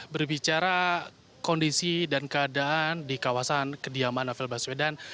berbicara kondisi dan keadaan di kawasan kediaman novel baswedan